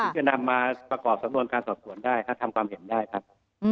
จะนำมาประกอบสำนวนการสอบสวนได้ทำความเห็นได้ครับ